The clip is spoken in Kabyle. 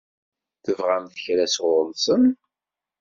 Tebɣamt kra sɣur-sen?